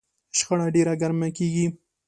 شخړه ډېره ګرمه کېږي.